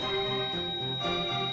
kamu juga harus kuat